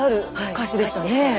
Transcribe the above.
歌詞でしたよね。